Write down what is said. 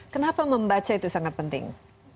kenapa membaca itu sangat penting